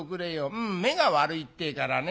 うん目が悪いってえからね。